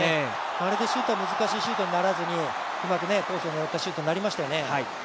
あれでシュートは難しいシュートにならずに、コースをねらったいいシュートになりましたよね。